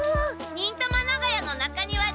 忍たま長屋の中庭で。